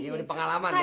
iya udah pengalaman ya